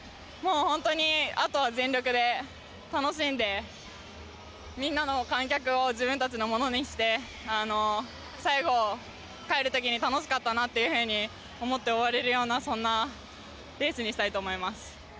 本当にあとは全力で楽しんでみんなの観客を自分たちのものにして最後、帰る時に楽しかったというふうに思って終われるようなそんなレースにしたいと思います。